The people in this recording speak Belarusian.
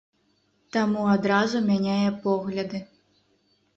Таму адразу мяняе погляды.